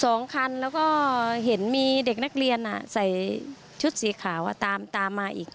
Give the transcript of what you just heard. สองคันแล้วก็เห็นมีเด็กนักเรียนอ่ะใส่ชุดสีขาวตามตามมาอีก